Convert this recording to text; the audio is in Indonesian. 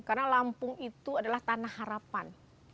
karena lampung itu adalah tanah harapan